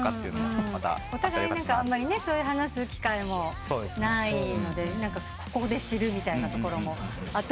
お互いそういう話す機会もないのでここで知るみたいなところもあったのかもしれない。